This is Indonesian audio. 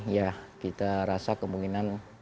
ya kita rasa kemungkinan